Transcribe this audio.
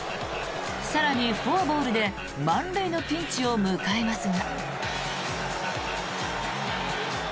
更に、フォアボールで満塁のピンチを迎えますが。